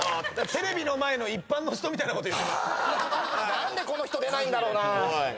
何でこの人出ないんだろうな。